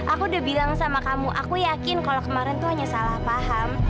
aku udah bilang sama kamu aku yakin kalau kemarin tuh hanya salah paham